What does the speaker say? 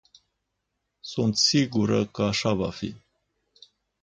Sunt sigură că așa va fi.